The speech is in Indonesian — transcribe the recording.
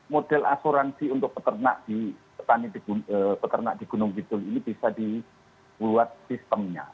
model asuransi untuk peternak di gunung kidul ini bisa dibuat sistemnya